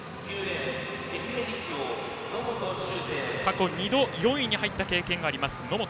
野本周成は過去２度４位に入った経験があります。